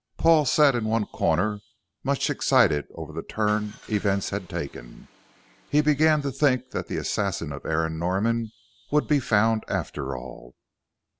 Paul sat in one corner much excited over the turn events had taken. He began to think that the assassin of Aaron Norman would be found after all.